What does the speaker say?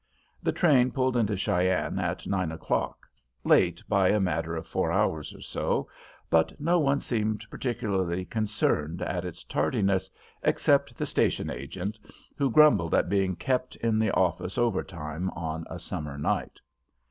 The train pulled into Cheyenne at nine o'clock, late by a matter of four hours or so; but no one seemed particularly concerned at its tardiness except the station agent, who grumbled at being kept in the office over time on a summer night.